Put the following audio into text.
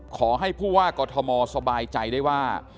ขอให้ผู้ว่ากอทมสบายใจได้ว่า